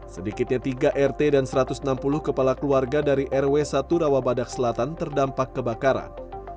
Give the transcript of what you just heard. sedikitnya tiga rt dan satu ratus enam puluh kepala keluarga dari rw satu rawabadak selatan terdampak kebakaran